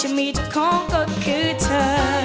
มีเจ้าของก็คือเธอ